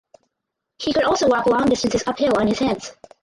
He could also walk long distances uphill on his hands.